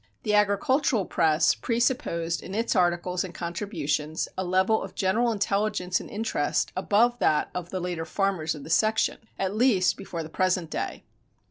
The agricultural press presupposed in its articles and contributions a level of general intelligence and interest above that of the later farmers of the section, at least before the present day.